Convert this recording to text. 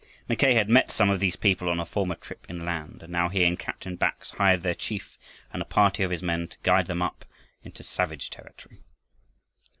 Mackay had met some of these people on a former trip inland, and now he and Captain Bax hired their chief and a party of his men to guide them up into savage territory.